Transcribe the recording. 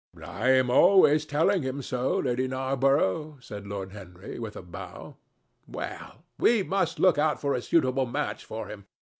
"I am always telling him so, Lady Narborough," said Lord Henry with a bow. "Well, we must look out for a suitable match for him.